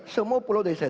semua pulau dari saya